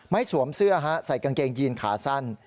สวมเสื้อฮะใส่กางเกงยีนขาสั้น